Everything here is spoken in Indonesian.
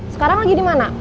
sekarang lagi dimana